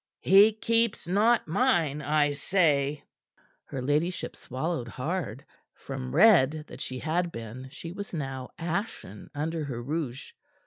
He keeps not mine, I say!" Her ladyship swallowed hard. From red that she had been, she was now ashen under her rouge.